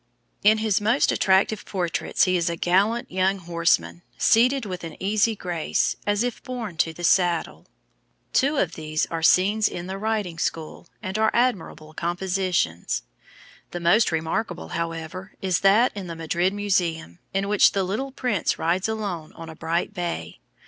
In his most attractive portraits he is a gallant young horseman, seated with an easy grace, as if born to the saddle. Two of these are scenes in the riding school, and are admirable compositions. The most remarkable, however, is that in the Madrid Museum, in which the little prince rides alone on a bright bay.